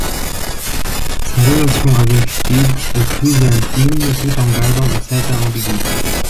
Sa relation avec Steed est plus intime, tout en gardant une certaine ambiguïté.